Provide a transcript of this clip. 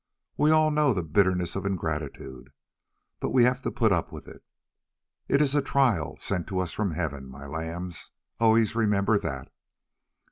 We all know the bitterness of ingratitude, but we have to put up with it. It is a trial sent to us from Heaven, my lambs, always remember that.